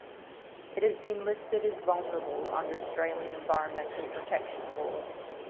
It has been listed as "vulnerable" under Australian environmental protection laws.